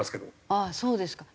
ああそうですか。